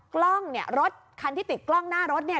กล้องเนี่ยรถคันที่ติดกล้องหน้ารถเนี่ย